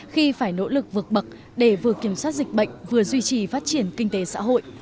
khi phải nỗ lực vượt bậc để vừa kiểm soát dịch bệnh vừa duy trì phát triển kinh tế xã hội